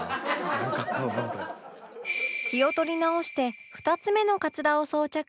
気を取り直して２つ目のカツラを装着